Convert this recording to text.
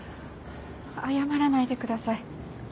謝らないでください。